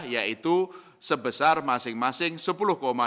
yaitu sebesar masing masing sepuluh delapan persen year on year